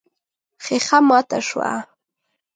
ښيښه ماته شوه.